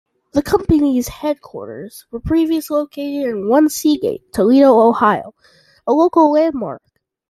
The company's headquarters were previously located in One SeaGate, Toledo, Ohio, a local landmark.